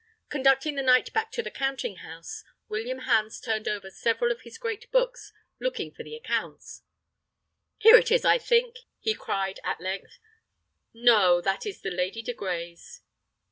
Conducting the knight back to the counting house, William Hans turned over several of his great books, looking for the accounts. "Here it is, I think," he cried, at length. "No! that is the Lady de Grey's."